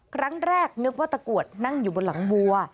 ครั้งแรกนึกว่าตะกรวดนั่งอยู่บนหลังวัว